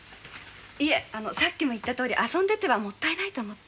いえあのさっきもいった通り遊んでてはもったいないと思って。